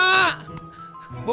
harusnya liat dong bu